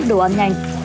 đồ ăn nhanh